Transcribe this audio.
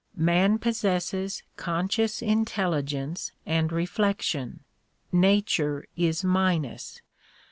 Man possesses conscious Intel ligence and reflection; nature is minus.